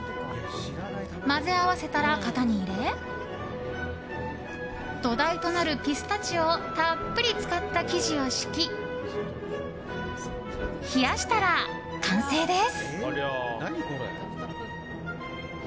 混ぜ合わせたら型に入れ土台となるピスタチオをたっぷり使った生地を敷き冷やしたら完成です。